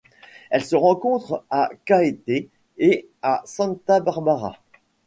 Elle se rencontre à Caeté et à Santa Bárbara.